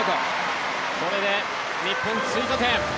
これで日本、追加点。